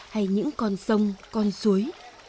hay những con sông con suối